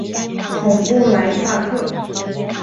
孔布莱萨克。